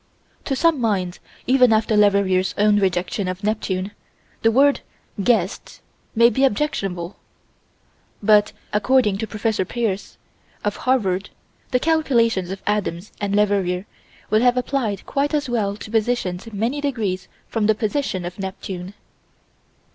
To some minds, even after Leverrier's own rejection of Neptune, the word "guessed" may be objectionable but, according to Prof. Peirce, of Harvard, the calculations of Adams and Leverrier would have applied quite as well to positions many degrees from the position of Neptune.